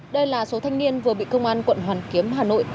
đây là số thanh niên vừa bị công an quận hoàn kiếm hà nội